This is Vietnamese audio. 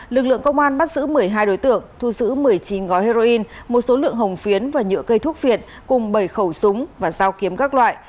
lực lượng công an bắt giữ một mươi hai đối tượng thu giữ một mươi chín gói heroin một số lượng hồng phiến và nhựa cây thuốc viện cùng bảy khẩu súng và dao kiếm các loại